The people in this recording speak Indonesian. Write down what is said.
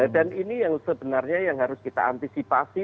dan ini yang sebenarnya yang harus kita antisipasi